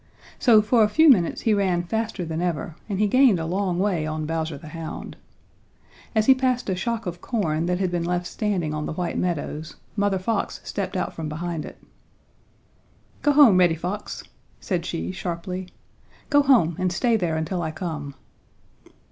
So for a few minutes he ran faster than ever and he gained a long way on Bowser the Hound. As he passed a shock of corn that had been left standing on the White Meadows, Mother Fox stepped out from behind it. "Go home, Reddy Fox," said she, sharply, "go home and stay there until I come."